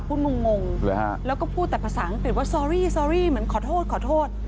งงแล้วก็พูดแต่ภาษาอังกฤษว่าซอรี่ซอรี่เหมือนขอโทษขอโทษ